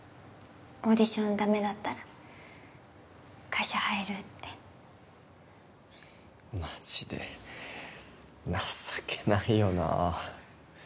オーディションダメだったら会社入るってマジで情けないよな